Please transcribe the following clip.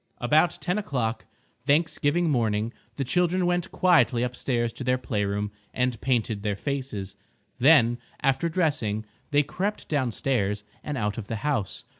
About 10 o'clock Thanksgiving morning the children went quietly upstairs to their playroom and painted their faces. Then, after dressing, they crept downstairs and out of the house.